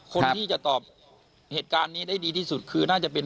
คนที่จะตอบเหตุการณ์นี้ได้ดีที่สุดคือน่าจะเป็น